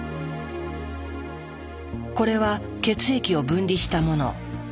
これは血液を分離したもの。